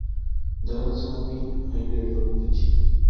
দেখা যাচ্ছে আমিই আইডিয়ার জন্ম দিচ্ছি।